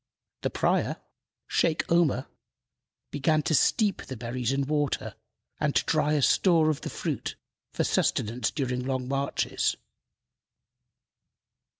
The prior, Sheykh Omer, began to steep the berries in water and to dry a store of the fruit for sustenance during long marches.